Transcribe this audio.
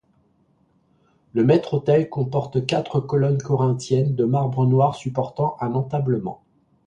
Le maître-autel comporte quatre colonnes corinthiennes de marbre noir supportant un entablement.